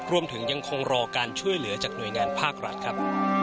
รวมถึงยังคงรอการช่วยเหลือจากหน่วยงานภาครัฐครับ